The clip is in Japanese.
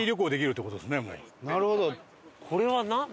なるほど。